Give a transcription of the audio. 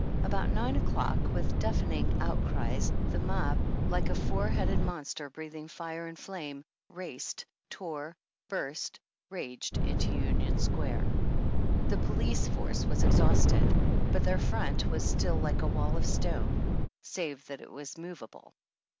About nine o'clock, with deafening outcries, the mob, like a four headed monster breathing fire and flame, raced, tore, burst, raged into Union Square. The police force was exhausted, but their front was still like a wall of stone, save that it was movable.